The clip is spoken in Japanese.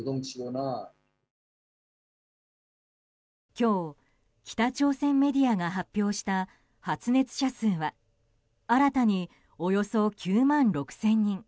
今日、北朝鮮メディアが発表した、発熱者数は新たにおよそ９万６０００人。